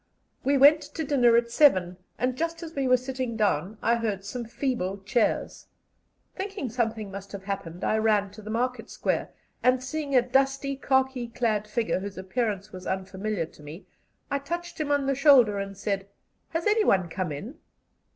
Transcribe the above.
We went to dinner at seven, and just as we were sitting down I heard some feeble cheers. Thinking something must have happened, I ran to the market square, and, seeing a dusty khaki clad figure whose appearance was unfamiliar to me, I touched him on the shoulder, and said: "Has anyone come in?"